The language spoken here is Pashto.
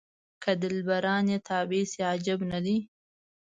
که دلبران یې تابع شي عجب نه دی.